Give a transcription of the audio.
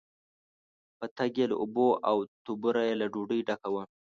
پتک یې له اوبو، او توبره یې له ډوډۍ ډکه وه.